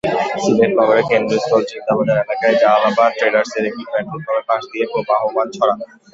সিলেট নগরের কেন্দ্রস্থলের জিন্দাবাজার এলাকায় জালালাবাদ ট্রেডার্সের একটি পেট্রলপাম্পের পাশ দিয়ে প্রবহমান ছড়া।